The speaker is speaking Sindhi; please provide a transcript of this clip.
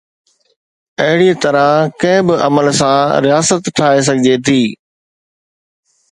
اهڙيءَ طرح ڪنهن به عمل سان رياست ٺاهي سگهجي ٿي